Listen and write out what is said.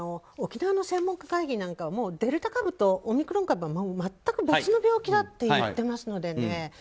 沖縄の専門家会議なんかはもうデルタ株とオミクロン株は全く別の病気だって言ってますのでね